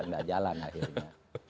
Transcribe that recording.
tidak jalan akhirnya